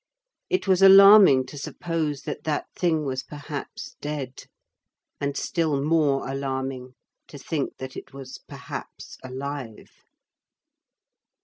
It was alarming to suppose that that thing was perhaps dead; and still more alarming to think that it was perhaps alive.